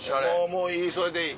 もういいそれでいい。